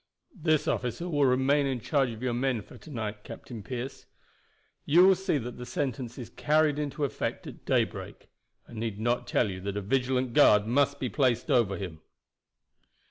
"This officer will remain in charge of your men for to night, Captain Pearce. You will see that the sentence is carried into effect at daybreak. I need not tell you that a vigilant guard must be placed over him."